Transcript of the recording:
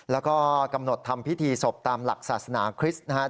แล้วก็กำหนดทำพิธีศพตามหลักศาสนาคริสต์นะครับ